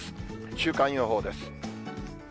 週間予報です。